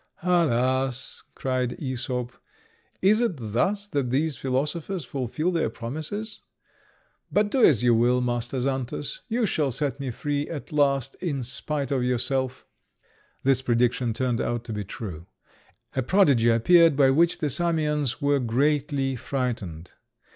"Alas!" cried Æsop, "is it thus that these philosophers fulfil their promises? But do as you will, Master Xantus, you shall set me free at last in spite of yourself." This prediction turned out to be true. A prodigy appeared, by which the Samians were greatly frightened.